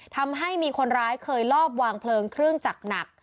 ทำให้มีคนร้ายเคยลอบวางเพลิงเครื่องจักรหนัก